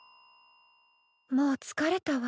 もう疲れたわ。